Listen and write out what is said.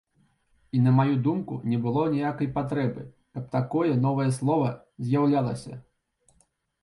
І на маю думку, не было ніякай патрэбы, каб такое новае слова з'яўлялася.